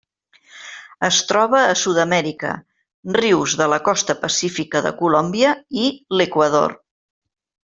Es troba a Sud-amèrica: rius de la costa pacífica de Colòmbia i l'Equador.